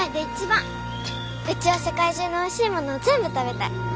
うちは世界中のおいしいものを全部食べたい。